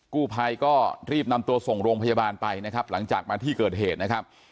กู้ภัยก็รีบนำตัวส่งโรงพยาบาลไปนะครับหลังจากมาที่เกิดเหตุนะครับ